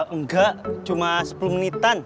enggak cuma sepuluh menitan